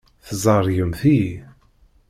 Tzerrgemt-iyi.